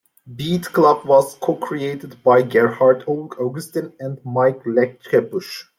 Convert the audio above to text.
"Beat-Club" was co-created by Gerhard Augustin and Mike Leckebusch.